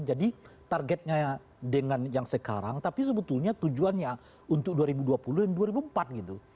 jadi targetnya dengan yang sekarang tapi sebetulnya tujuannya untuk dua ribu dua puluh dan dua ribu empat gitu